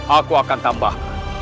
aku akan tambah